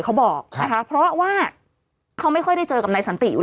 เขาบอกนะคะเพราะว่าเขาไม่ค่อยได้เจอกับนายสันติ